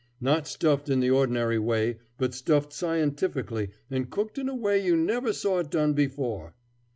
Not stuffed in the ordinary way, but stuffed scientifically and cooked in a way you never saw it done before."